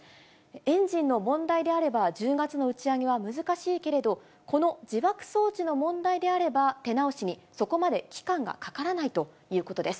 エンジンの問題であれば１０月の打ち上げは難しいけれど、この自爆装置の問題であれば、手直しにそこまで期間がかからないということです。